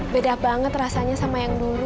beda banget rasanya sama yang dulu